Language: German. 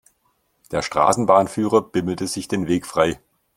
Der Straßenbahnführer bimmelte sich den Weg frei.